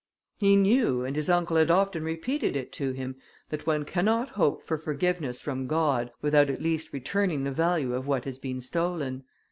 He knew, and his uncle had often repeated it to him, that one cannot hope for forgiveness from God, without at least returning the value of what has been stolen.